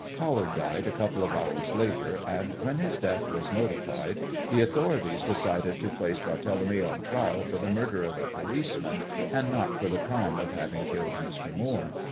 Collard died a couple of hours later, and when his death was notified the authorities decided to place Barthélemy on trial for the murder of the policeman, and not for the crime of having killed Mr. Moore.